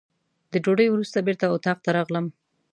د ډوډۍ وروسته بېرته اتاق ته راغلم.